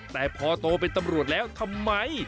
แต่พอโตเป็นตำรวจแล้วทำไม